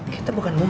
kita bukan murid